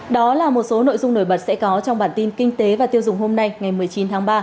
đó là một số nội dung nổi bật sẽ có trong bản tin kinh tế và tiêu dùng hôm nay ngày một mươi chín tháng ba